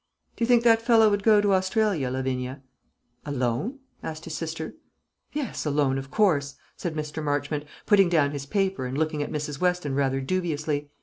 "Do you think that fellow would go to Australia, Lavinia?" "Alone?" asked his sister. "Yes, alone of course," said Mr. Marchmont, putting down his paper, and looking at Mrs. Weston rather dubiously.